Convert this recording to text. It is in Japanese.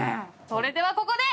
それではここで。